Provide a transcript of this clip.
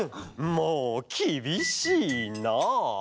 もうきびしいなあ。